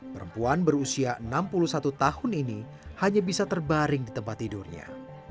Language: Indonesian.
perempuan berusia enam puluh satu tahun ini hanya bisa terbaring di tempat tidurnya